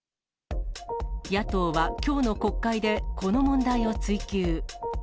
野党はきょうの国会で、この問題を追及。